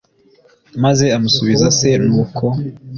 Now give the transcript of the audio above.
maze amusubiza se nuko